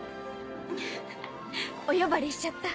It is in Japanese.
フフフお呼ばれしちゃった。